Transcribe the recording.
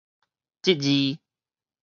這字